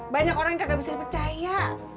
banyak orang yang kagak bisa dipercaya